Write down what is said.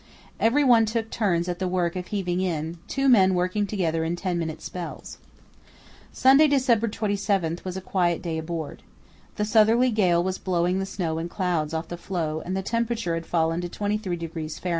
Every one took turns at the work of heaving in, two men working together in ten minute spells. Sunday, December 27, was a quiet day aboard. The southerly gale was blowing the snow in clouds off the floe and the temperature had fallen to 23° Fahr.